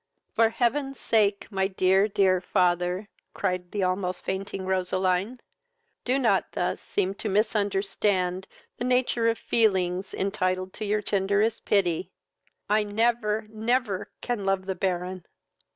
"For heaven's sake! my dear dear father, (cried the almost fainting Roseline,) do not thus seem to misunderstand the nature of feelings entitled to your tenderest pity. I never, never can love the Baron!"